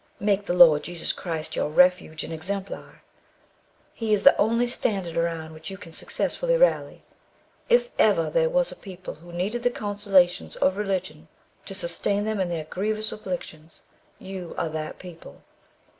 Make the Lord Jesus Christ your refuge and exemplar. His is the only standard around which you can successfully rally. If ever there was a people who needed the consolations of religion to sustain them in their grievous afflictions, you are that people.